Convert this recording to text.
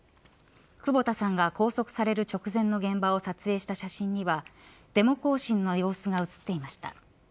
久保田さんが拘束される直前の現場を撮影した写真にはデモ行進の様子が写っていました。